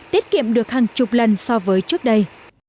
tiết kiệm được hàng chục lần so với trước đây